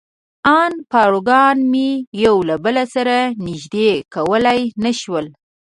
ان پاروګان مې یو له بل سره نژدې کولای نه شول.